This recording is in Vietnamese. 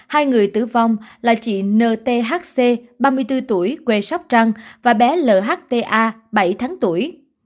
hai người tử vong là chị nthc ba mươi bốn tuổi quê sóc trăng và bé lhta bảy tháng tuổi